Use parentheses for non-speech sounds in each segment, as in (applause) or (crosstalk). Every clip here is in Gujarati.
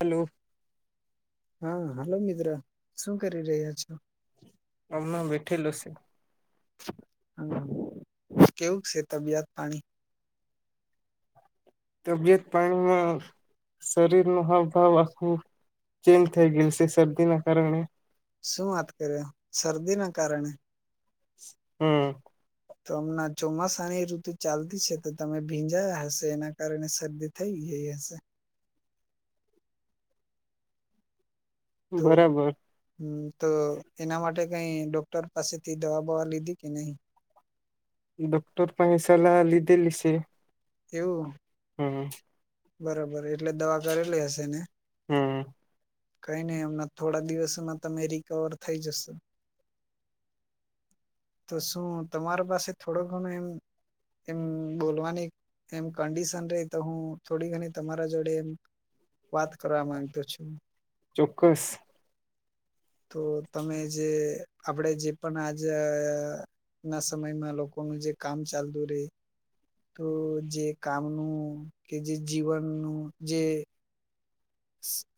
હલો. હા હલો મિતિત્ર શું કરી રહ્યા છો? અમણા બેઠેલોશે? હ કેવું છે તબિયત પાણી? તબિયત પાણીમાં. શરીર નો હાવ ભાવ આખું ચેન્જ થઈ ગયલું છે શરદી ના કારણે. શું વાત કરી્યો શરદી ના કારણે? હમ. તો હમણા ચોમાસાની ઋતુ ચાલતી છે તો તમે ભીંજાયા હશે એના કારણે શરદી થઈ ગઈ હશે. તો બરાબર હમ્મ તો એના માટે કઈ ડોક્ટર પાસેથી દવા બવા લીધી કે નહી? ડોક્ટર પાસે સલાહ લીધેલી છે. એવું? હમ્મ. બરોબર એટલે દવા કરેલી હશે ને? હમ કઈ નહી અમના થોડા દિવસોમાં તમે રિકવર થઈ હશે તો શું તમારા પાસે થોડોક ઘણું એમ એમ બોલવાની એમ કંડિશન રહી તો હું થોડી ઘણી તમારા જોડે એમ વાત કરવા માંગતો છું. ચોક્કસ. તો તમે જે આપડે જે પણ આજ અહ ના સમયમાં લોકોનું જે કામ ચાલતું રહે. તો જે કામનું કે જે જીવનનું જે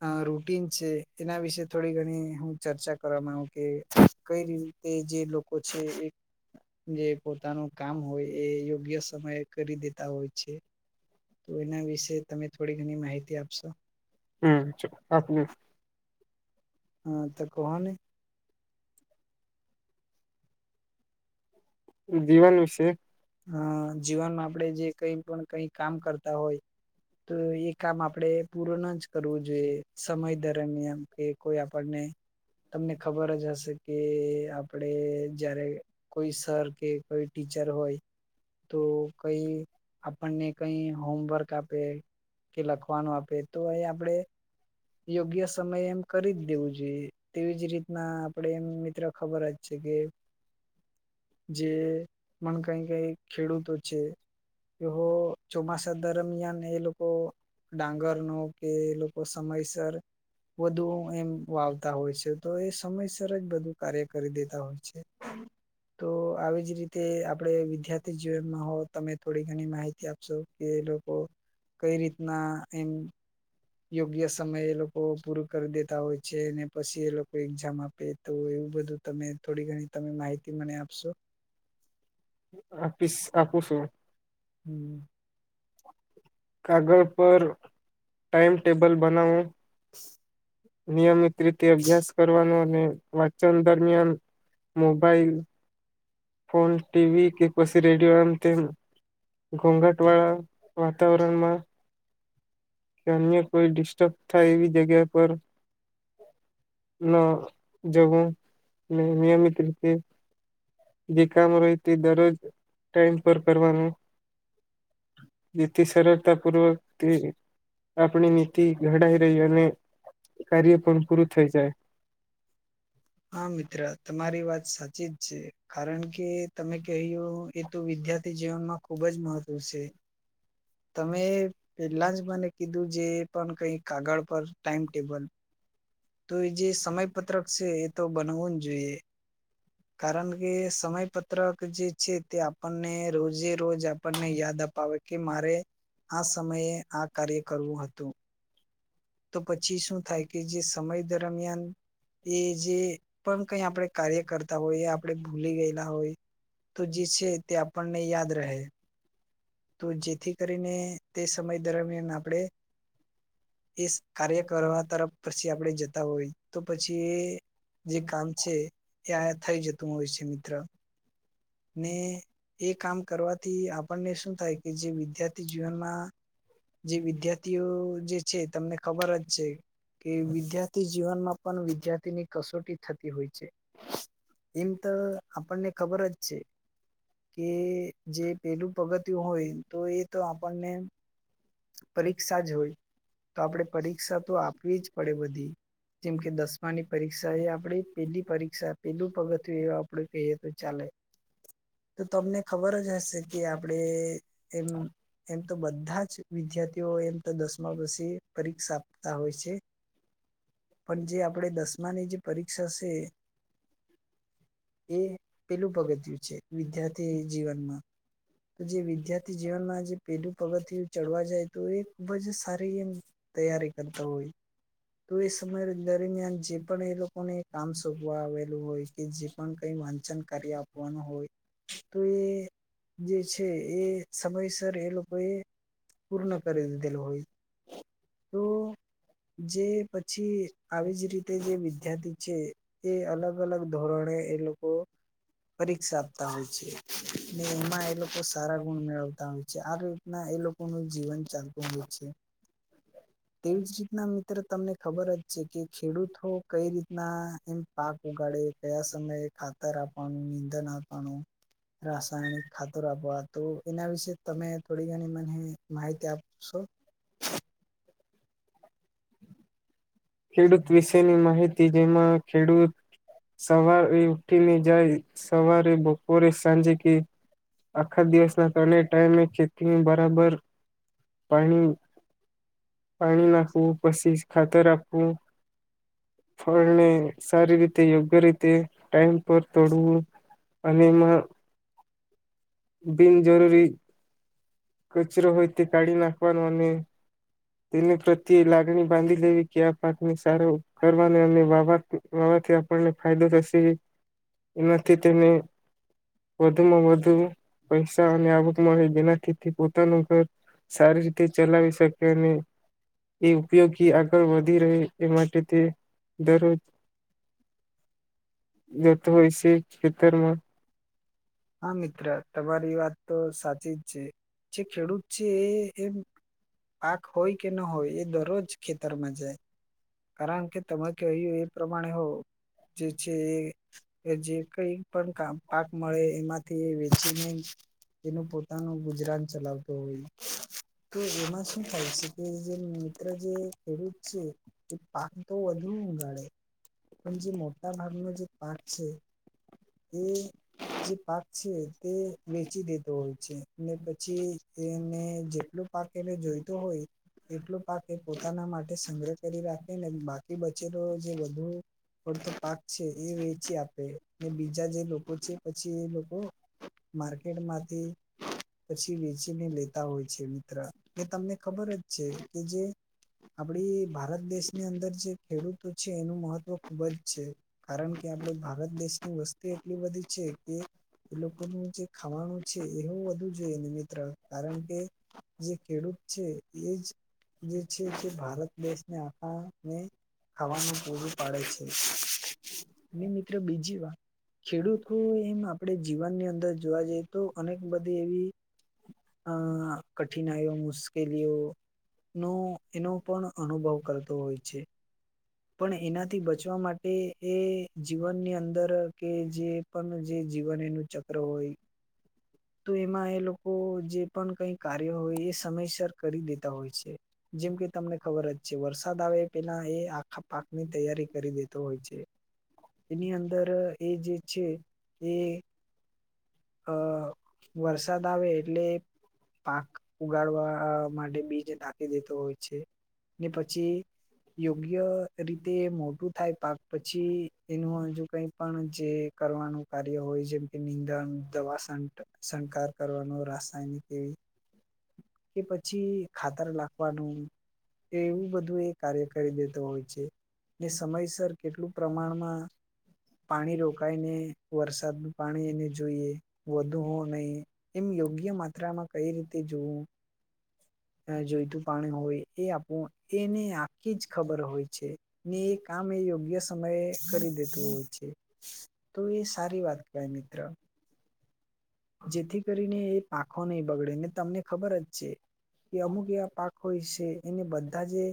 અહ રૂટીન છે એના વિશે થોડી ઘણી હું ચર્ચા કરવાવામાં આવ કે કઈ રી તે જે લોકો છે એક જે પોતાનું કામ હોય એ યોગ્ય સમયે કરી દેતા હોય છે. તો એના વિશે તમે થોડી ઘણી માહિતી આપશો. હમ્મ (unintelligible) હા, તો કોહો ને? જીવન વિશે અહ જીવનમાં આપડે જે કઈ પણ કઈ કામ કરતા હોય તો એ કામ આપડે પૂરો નાજ કરવું જોઈએ સમય દરમિયાન કે કોઈ આપણને તમને ખબર જ હશે કે આપડે જયારે કોઈ સર કે કોઈ ટીચર હોય તો કઈ આપણને કઈ હોમવર્ક આપે કે લખવાનું આપે તો એ આપડે યોગ્ય સમય એમ કરી જ દેવું જોઈએ. તેવીજ રીતના આપડે એમ મિત્ર ખબર જ છે કે જે મન કઈ કઈ ખેડૂતો છે એ હો ચોમાસાસા દરમિયાન એલોકો ડાંગરનો કે લોકો સમયસર વધુ એમ વાવતા હોય છે તો એ સમયસર જ બધું કાર્ય કરી દેતા હોય છે. તો આવી જ રીતે આપડે વી અધ્યાથી જીવનમાં હો તમે થોડી ઘણી માહિતી આપશો કે એ લોકો કઈ રીતના એમ યોગ્ય સમય એ લોકો પૂરુ કરી દેતા હોય છે અને પછી એ લોકો એક્ઝામ આપ તો એવું બધું તમે થોડી ઘણી તમે માહિતી મને આપશો. આપીશ આપું છું. હમ્મ. કાગળ પર ટાઈમટેબલ બનાવો નિયમિત રીતે અભ્યાસ કરવાનો અને વાંચન દરમિયાન મોબાઈલ ફોન ટી વી કે પછી રેડિયો આમ તેમ ઘોંઘાટ વાળા વાતાવરણમાં કે અન્ય કોઈ ડિસ્ટર્બ થાય એવી જગ્યા પર ન જવું ને નિયમિત રીતે જે કામ રેય તે દરરોજ ટાઈમ પર કરવાનું. જેથી સરળતાપૂર્વક તે આપણી નીતિ ઘડાઈ રેય અને કાર્ય પણ પૂરું થઈ જાય. હા મિત્ર તમારી વાત સાચી જ છે. કારણ કે તમે કહ્યું એ તો વિદ્યાર્થી જીવનમાં ખુબ જ મહત્વ છે. તમે પેલા જ મને કીધું જે પણ કઈ કાગળ પર ટાઈમટેબલ તો એ જે સમયપત્રક છે એ તો બનાવું જ જોઈએ. કારણ કે સમયપત્રક જે છે તે આપણને રોજે રોજ આપણને યાદ અપાવે કે મારે આ સમયે આ કાર્ય કરવું હતું. તો પછી શું થાય કે જે સમય દરમિયાન એ જે પણ કઈ આપણે કાર્ય કરતા હોય, આપણે ભૂલી ગયેલા હોય તો જે છે તે આપણને યાદ રહે તો જેથી કરીને તે સમય દરમિયાન આપડે એ જ કાર્ય કરવા તરફ પછી આપણે જતા હોય. તો પછી એ જે કામ છે એ થઈ જતું હોય છે મિત્ર. ને એ કામ કરવાથી આપણને શું થાય કે જે વિદ્યાર્થી જીવનમાં જે વિદ્યાર્થીઓ જે છે તમને ખબર જ છે કે વિદ્યાર્થી જીવનમાં પણ વિદ્યાર્થીની કસોટી થતી હોય છે. એમ તો આપણને ખબર જ છે કે જે પેલું પગથીયું હોય તો એ તો આપણને પરીક્ષા જ હોય તો આપણે પરીક્ષા તો આપવી જ પડે બધી. જેમ કે દસમાની પરીક્ષા એ આપણેે પેલી પરીક્ષા પેલું પગથીયું એવુ આપડે કહીએ તો ચાલે. (inaudible) તો તમને ખબર જ હશે કે આપડે એમ એમ તો બધા જ વિદ્યાર્થીઓ એમ તો દસમા પસી પરીક્ષા આપતા હોય છે. પણ જે આપણે દસમાની જે પરીક્ષા છે એ પેલું પગથિયું છે. વિદ્યાર્થી જીવનમાં, તો જે વિદ્યાર્થી જીવનમાં જે પેલું પગથિયું ચડવા જાય તો એ ખૂબ જ સારી એમ તૈયારી કરતો હોય. તો એ સમય દરમિયાન જે પણ એ લોકો લોકો ને કામ શોપવા માં આવેલું હોય કે જે પણ કઈ વાંચન કરી આપવાનું હોય તો એ જે છે એ સમયસર એ લોકો એ પૂર્ણ કરી દીધેલું હોય. તો (inaudible) જે પછી આવી જ રીતે જે વિદ્યાર્થી છે એ અલગ અલગ ધોરણે એ લોકો પરીક્ષા આપતા હોય છે ને એમાં એ લોકો સારા ગુણ મેળવતા હોય છે. આ રીતના એ લોકો નું જીવન ચાલતું હોય છે. તેવી જ રીતના મિત્ર તમને ખબર જ છે કે ખેડૂતો કઈ રીતના એમ પાક ઉગાડે, કયા સમયે ખાતર આપવાનું, નિંદન આપવાનું. રાસાયણિક ખાતર આપવા તો એના વિશે તમે થોડી ઘણી મને માહિતી આપશો? ખેડૂત વિશેની માહિતી જેમાં ખેડૂત સવારે ઉઠીને જાય સવારે, બપોરે, સાંજે કે આખા દિવસના ત્રણેય ટાઈમે ખેતીની બરાબર પાણી પાણી નાખવું, પછી જ ખાતર આપવું. ફળને સારી રીતે યોગ્ય રીતે ટાઈમ પર તોડવું. અને એમાં બિન જરૂરી કચરો હોય તે કાઢી નાખવાનું અને તેને પ્રત્યે લાગણી બાંધી લેવી કે આ પાકને સારો કરવાને અને વાવા વાવાથી આપણને ફાયદો થશે એનાથી તેને વધુમાં વધુ પૈસા અને આવક મળે એનાથી પોતાનું ઘર સારી રીતે ચલાવી શકે અને એ ઉપયોગી આગળ વધી રહે એ માટે તે દરરોજ જતો હોય છે ખેતરમાં. હા મિત્ર તમારી વાત તો સાચી જ છે જે ખેડૂત છે એ પાક હોય કે ન હોય એ દરરોજ ખેતરમાં જાય. કારણ કે તમે કહ્યું એ પ્રમાણે હો જે છે એ જે કઈ પણ પાક મળે એમાંથી વેચીને એનું પોતાનું ગુજરાન ચલાવતો હોય તો એમાં થાય છે કે મીત્રા જે ખેડૂત છે. એ પાક તો વધુ ઉગાળે પણ જે મોટા ભાગનો જે પાક છે. એ જે પાક છે તે વેચી દેતો હોય છે ને પછી એને જેટલો પાકેલે જોઈતો હોય એટલો પાક એ પોતાના માટે સંગ્રહ કરી રાખે ને બાકી બચે તો જે બું ડતો પાક છે એ વેચી આપે અને બીજા જે લોકો છે પછી એ લોકો માર્કેટમાંથી પછી વેચીને લેતા હોય છે મિત્ર. એ તમને ખબર જ છે કે જે આપડી ભારત દેશની અંદર જે ખેડૂતો છે એનું મહત્વ ખુબ જ છે. કારણ કે આપણે ભારત દેશની વસ્તુ એટલી બધી છે કે એ લોકોનું જે ખાવાનું છે એવ વધુ જોઈએ ને મિત્ર કારણ કે જે ખેડૂત છે એજ જે છે તે ભારત દેશને આખાને ખાવાનું પૂરું પાડે છે અને મિત્રો બીજી વાત ખેડૂતો એમ આપણે જીવનની અંદર જોવા જઈએ તો અનેક બધી એવી અ કઠિનાયમુસ. કે લીઓ નો એનો પણ અનુભવ કરતો હોય છે. પણ એનાથી બચવા માટે એ જીવનની અંદર કે જે પણ જે જીવન એનું ચક્ર હોય. તો એમાં એ લોકો જે પણ કઈ કાર્ય હોય એ સમયસર કરી દેતા હોય છે. જેમ કે તમને ખબર જ છે વરસાદ આવે એ પેલા એ આખા પાકની તૈયારી કરી દેતો હોય છે. એની અંદર એ જે છે એ અ વરસાદ આવે એટલે પાક ઉગાડવા માટે બીજ નાખી દેતો હોય છે ને પછી યોગ્ય રીતે મોટું થાય પાક પછી એનું જો કઈ પણ જે કરવાનું કાર્ય હોય જેમ કે નિંદણ દવાસન્ટ શણકાર કરવાનું રાસાયણિક એવી કે પછી ખાતર લાખવાનું એવું બધું એ કાર્ય કરી દેતો હોય છે, સમયસર કેટલું પ્રમાણમાં પાણી રોકાઈને વરસાદનું પાણી એને જોઈએ (unintelligible) એમ યોગ્ય માત્રામા કઈ રીતે જોવું જોઈતું પાણી હોય એ આપું એને આખી જ ખબર હોય છે. ને એ કામ એ યોગ્ય સમયે કરી દેતું હોય છે. તો એ સારી વાત કહેવાય મિત્ર જેથી કરીને એ પાંખો નહી બગડે ને તમને ખબર જ છે. કે અમુક એવા પાક હોય છે, એને બધા જે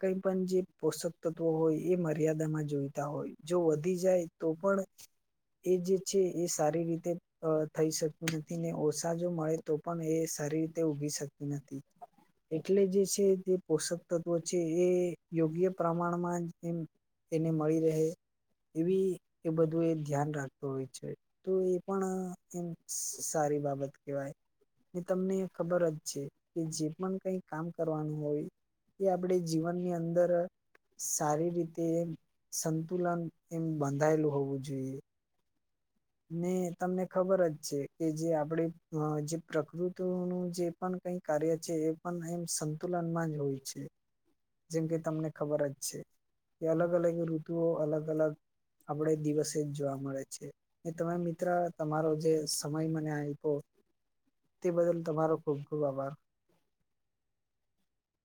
કઈ પણ જે પોષક તત્વો હોય એ મર્યાદામાં જોઈતા હોય જો વધી જાય તો પણ એ જે છે, એ સારી રીતે અ થઈ શકતુ નથી ને ઓછા જો મળે તો પણ એ સારી રીતે ઊગી શકતી નથી એટલે જે છે, તે પોષક તત્વો છે, એ યોગ્ય પ્રમાણમાં એમ એને મળી રેહે એવી એ બધું એ ધ્યાન રાખતું હોય છે, તો એ પણ એમ સારી બાબત કેવાય તમને ખબર જ છે, કે જે પણ કઈ કામ કરવાનું હોય એ આપડે જીવનની અંદર સારી રીતે એમ સંતુલન એમ બાંધાયેલું હોવું જોઈએ ને તમને ખબર જ છે, કે જે આપણેે જે પ્રકૃતિનું જે પણ કઈ કાર્ય છે, એ પણ એમ સં તુલનમાં જ હોય છે, જેમ કે તમને ખબર જ છે. એ અલગ અલગ ઋતુઓ અલગ અલગ આપડે દિવસે જ જોવા મળે છે. એ તમે મિત્ર તમારો જે સમય મને આપ્યો તે બદલ તમારો ખુબ ખુવ આભાર